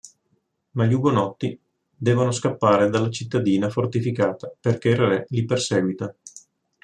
Ma gli ugonotti devono scappare dalla cittadina fortificata perché il Re li perseguita.